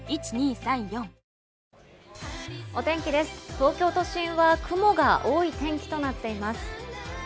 東京都心は雲が多い天気となっています。